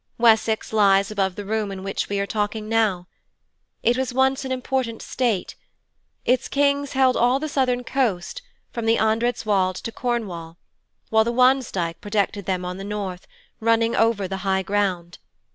Wessex lies above the room in which we are talking now. It was once an important state. Its kings held all the southern coast from the Andredswald to Cornwall, while the Wansdyke protected them on the north, running over the high ground.